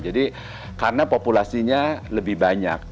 jadi karena populasinya lebih banyak